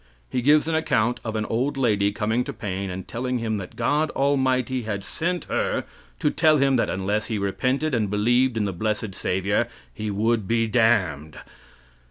He gives an account of an old lady coming to Paine, and telling him that God Almighty had sent her to tell him that unless he repented and believed in the blessed savior he would be damned.